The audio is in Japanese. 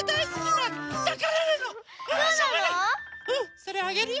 それあげるよ。